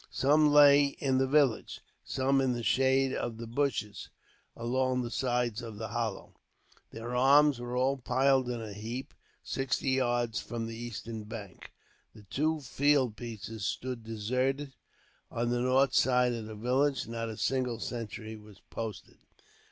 Some lay in the village, some in the shade of the bushes along the sides of the hollow. Their arms were all piled in a heap, sixty yards from the eastern bank. The two field pieces stood deserted, on the north side of the village. Not a single sentry was posted.